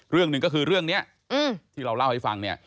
เรื่องหนึ่งก็คือเรื่องนี้ที่เราเล่าให้ฟังเนี่ย